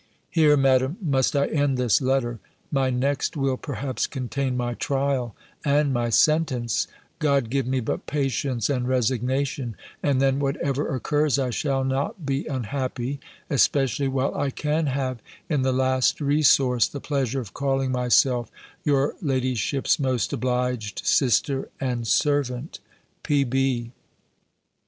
Here, Madam, must I end this letter. My next, will, perhaps contain my trial, and my sentence: God give me but patience and resignation, and then whatever occurs, I shall not be unhappy: especially while I can have, in the last resource, the pleasure of calling myself your ladyship's most obliged sister and servant, P.B.